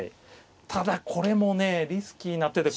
ただこれもねリスキーな手で。